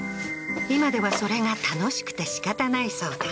今ではそれが楽しくてしかたないそうだ